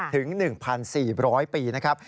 ถึง๑๔๐๐ปีนะครับ